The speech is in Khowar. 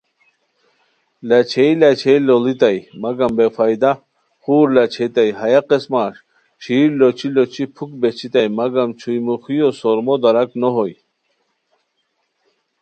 لاچھئے لاچھئے لوڑتائے مگر بے فائدہ خور لاچھیتائے ہیہ قسمہ ݯھیرلوچھی لوچھی پُھک بہچیتائے مگم چھوئی موخیو سورمو دراک نو ہوئے